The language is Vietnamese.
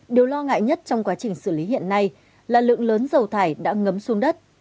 điều lo ngại nhất trong quá trình xử lý hiện nay là lượng lớn dầu thải đã ngấm xuống đất